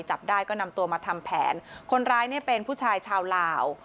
จับได้ก็นำตัวมาทำแผนคนร้ายเนี่ยเป็นผู้ชายชาวลาว